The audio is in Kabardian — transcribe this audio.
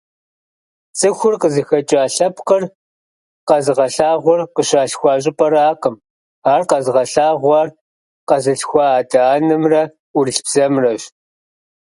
ЦӀыхур къызыхэкӀа лъэпкъыр къэзыгъэлъагъуэр къыщалъхуа щӀыпӀэракъым, ар къэзыгъэлъагъуэр къэзылъхуа адэ-анэмрэ ӏурылъ бзэмрэщ.